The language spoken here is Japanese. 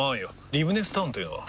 リブネスタウンというのは？